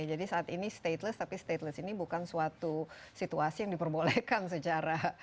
jadi saat ini stateless tapi stateless ini bukan suatu situasi yang diperbolehkan secara